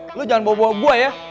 eh lo jangan bawa bawa gue ya